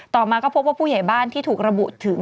ต่อมาก็พบว่าผู้ใหญ่บ้านที่ถูกระบุถึง